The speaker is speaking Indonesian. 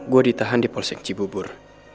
gue ditahan di polsek cibubur